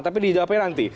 tapi dijawabin nanti